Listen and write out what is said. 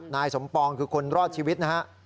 นายสมปองคือคนรอดชีวิตนะฮะ